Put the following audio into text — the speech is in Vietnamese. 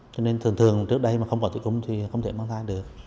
cho nên thường thường trước đây mà không bỏ tử cung thì không thể mang thai được